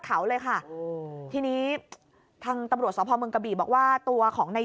เขาเลยค่ะทีนี้ทางตำรวจสพเมืองกะบี่บอกว่าตัวของใน